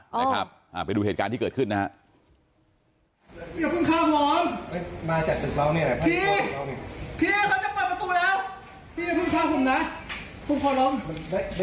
นะครับไปดูเหตุการณ์ที่เกิดขึ้นนะฮะ